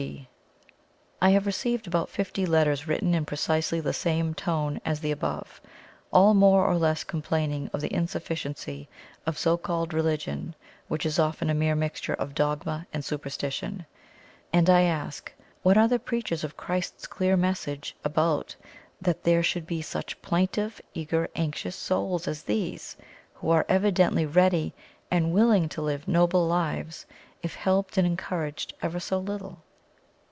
D." [I have received about fifty letters written in precisely the same tone as the above all more or less complaining of the insufficiency of "so called Religion, which is often a mere mixture of dogma and superstition" and I ask What are the preachers of Christ's clear message about that there should be such plaintively eager anxious souls as these, who are evidently ready and willing to live noble lives if helped and encouraged ever so little?